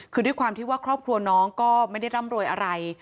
คือด้วยความที่ว่าครอบครัวน้องก็ไม่ได้ร่ำรวยอะไร